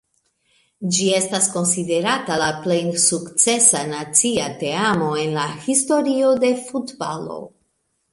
Ĝi estas konsiderata la plej sukcesa nacia teamo en la historio de futbalo.